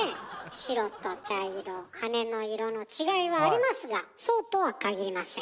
白と茶色羽の色の違いはありますがそうとは限りません。